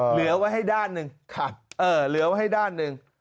เหลือไว้ให้ด้านหนึ่ง